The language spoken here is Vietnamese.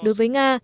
đối với nga